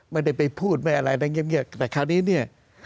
ไม่ได้ไปพูดแม้ลายลักษณ์เนี่ยแต่คราวนี้